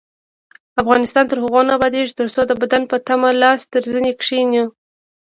افغانستان تر هغو نه ابادیږي، ترڅو د بل په تمه لاس تر زنې کښينو.